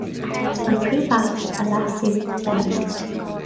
An Príomh-Acht a leasú tuilleadh.